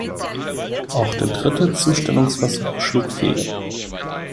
Auch der dritte Zustellungsversuch schlug fehl.